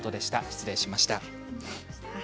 失礼いたしました。